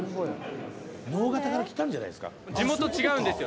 直方から来たんじゃないですか。